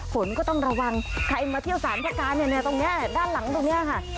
ฝนก็ต้องระวังใครมาเที่ยวสารพระการเนี่ยตรงนี้ด้านหลังตรงนี้ค่ะ